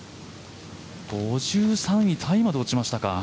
５３位タイまで落ちましたか。